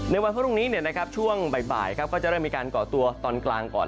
วันพรุ่งนี้ช่วงบ่ายก็จะเริ่มมีการก่อตัวตอนกลางก่อน